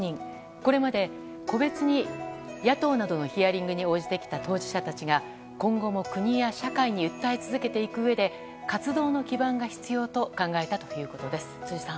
これまで個別に野党などのヒアリングに応じてきた当事者たちが、今後も国や社会に訴え続けていくうえで活動の基盤が必要と考えたということです。